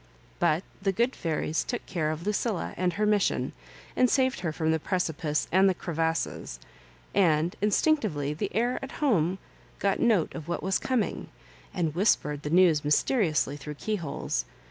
But the good fairies took care of Lucilla and her mission, and saved her from the precipice and the crevasses — and instinctively the air at home got note of what was coming, and whispered the news mysteriously through the keyholes.